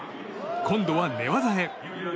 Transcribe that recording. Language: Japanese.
今度は寝技へ。